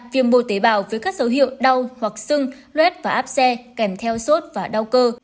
viêm bồ tế bào với các dấu hiệu đau hoặc sưng luét và áp xe kèm theo sốt và đau cơ